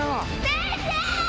⁉・先生！